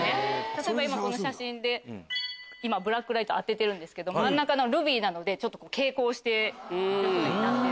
例えばこの写真でブラックライトを当ててますけど真ん中ルビーなのでちょっと蛍光しているという。